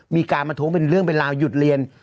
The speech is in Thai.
มีการประท้วงเป็นเรื่องเป็นราวหยุดเรียน